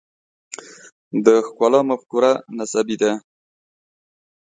د ښکلا مفکوره نسبي ده.